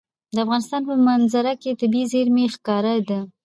د افغانستان په منظره کې طبیعي زیرمې ښکاره ده.